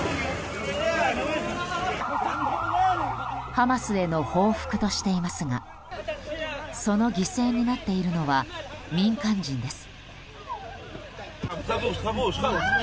ハマスへの報復としていますがその犠牲になっているのは民間人です。